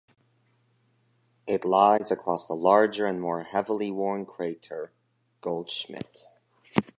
It lies across the larger and more heavily worn crater Goldschmidt.